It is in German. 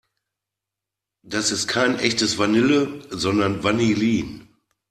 Das ist kein echtes Vanille, sondern Vanillin.